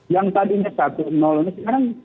yang tadinya satu ini sekarang